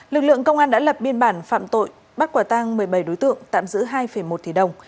lực lượng công an đã lập biên bản phạm tội bắt quả tăng một mươi bảy đối tượng tạm giữ hai một tỷ đồng